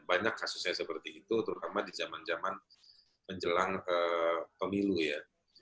banyak kasusnya seperti itu terutama di zaman zaman menjelang pemilu ya